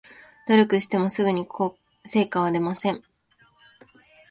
努力してもすぐに成果は出ません